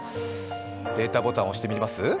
データボタン押してみます？